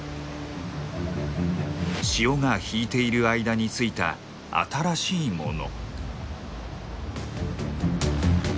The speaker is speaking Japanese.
潮が引いている間についた新しいもの。